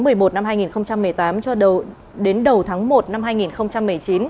từ tháng một mươi một năm hai nghìn một mươi tám cho đến đầu tháng một năm hai nghìn một mươi chín